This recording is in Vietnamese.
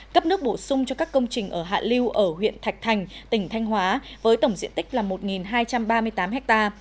cấp nước bổ sung cho các công trình ở hạ liêu ở huyện thạch thành tỉnh thanh hóa với tổng diện tích là một hai trăm ba mươi tám ha